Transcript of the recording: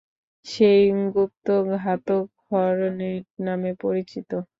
সেই গুপ্তঘাতক হরনেট নামে পরিচিত।